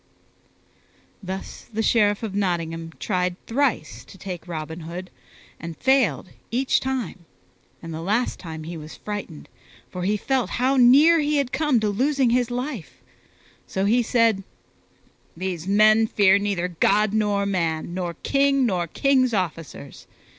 Thus the Sheriff of Nottingham tried thrice to take Robin Hood and failed each time; and the last time he was frightened, for he felt how near he had come to losing his life; so he said, "These men fear neither God nor man, nor king nor king's officers.